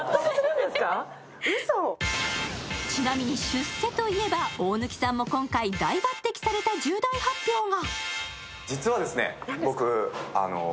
ちなみに出世といえば、大貫さんも今回大抜てきされた重大発表が。